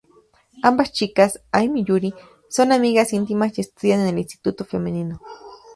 Ambas chicas, Aim y Yuri, son amigas íntimas y estudian en el instituto femenino.